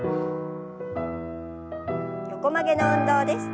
横曲げの運動です。